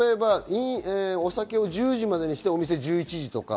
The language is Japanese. お酒を１０時までにしてお店１１時とか。